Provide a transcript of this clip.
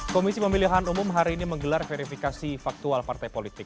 komisi pemilihan umum hari ini menggelar verifikasi faktual partai politik